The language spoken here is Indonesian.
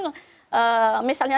misalnya juga tadi ada perbicaraan